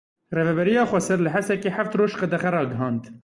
Rêveberiya Xweser li Hesekê heft roj qedexe ragihand.